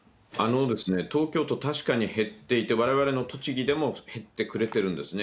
東京都、確かに減っていて、われわれの栃木でも減ってくれてるんですね。